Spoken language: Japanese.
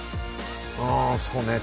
ああそうね。